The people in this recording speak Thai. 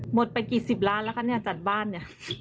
หมดไปกี่สิบล้านแล้วคะเนี่ยจัดบ้านเนี่ย